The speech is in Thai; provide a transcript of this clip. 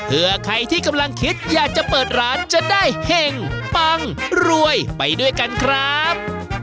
เพื่อใครที่กำลังคิดอยากจะเปิดร้านจะได้เห็งปังรวยไปด้วยกันครับ